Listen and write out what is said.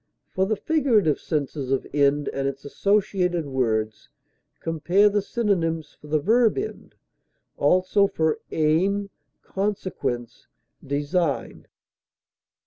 For the figurative senses of end and its associated words, compare the synonyms for the verb END; also for AIM; CONSEQUENCE; DESIGN.